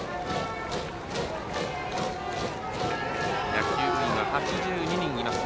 野球部員は８２人います。